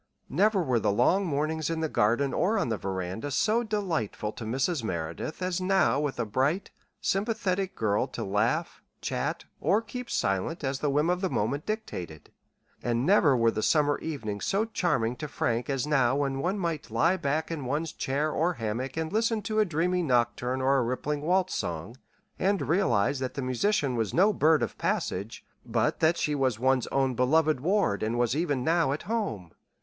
Never were the long mornings in the garden or on the veranda so delightful to Mrs. Merideth as now with a bright, sympathetic girl to laugh, chat, or keep silent as the whim of the moment dictated; and never were the summer evenings so charming to Frank as now when one might lie back in one's chair or hammock and listen to a dreamy nocturne or a rippling waltz song, and realize that the musician was no bird of passage, but that she was one's own beloved ward and was even now at home.